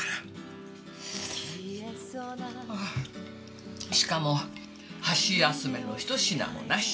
ああしかも箸休めのひと品もなし。